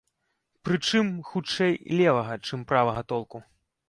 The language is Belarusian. Прычым, хутчэй, левага, чым правага толку.